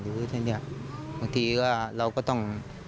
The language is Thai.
หรือแบบนี้บางทีเราก็ต้อง